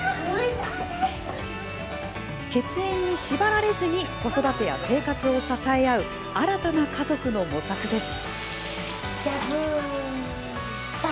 血縁に縛られずに子育てや生活を支え合う新たな家族の模索です。